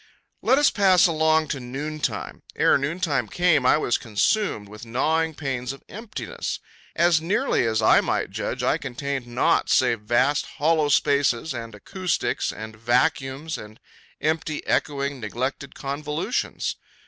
Let us pass along to noontime. Ere noontime came I was consumed with gnawing pains of emptiness. As nearly as I might judge, I contained naught save vast hollow spaces and acoustics and vacuums and empty, echoing, neglected convolutions.